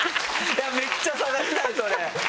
めっちゃ探したいそれ！